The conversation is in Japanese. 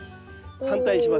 反対にします。